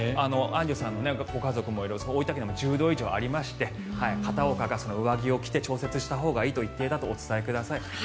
アンジュさんのご家族のいる大分県も１０度以上ありまして片岡が、上着を着て調節したほうがいいと言っていたとお伝えください。